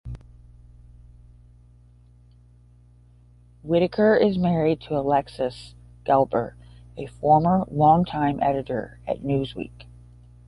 Whitaker is married to Alexis Gelber, a former long-time editor at "Newsweek".